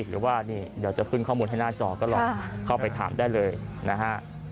หรือว่านี่เดี๋ยวจะขึ้นข้อมูลให้หน้าจอก็ลองเข้าไปถามได้เลยนะฮะ